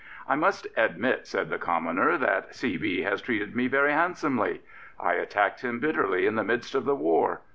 I must admit, said the Commoner, " that C. B. has treated me very handsomely. I attacked him bitterly in the midst of the war.